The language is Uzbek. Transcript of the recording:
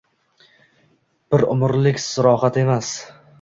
Bir umrlik roxat emas